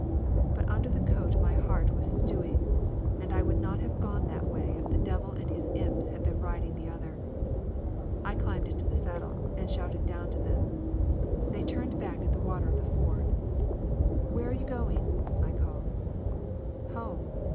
But under the coat my heart was stewing, and I would not have gone that way if the devil and his imps had been riding the other. I climbed into the saddle and shouted down to them. They turned back at the water of the ford. "Where are you going?" I called. "Home.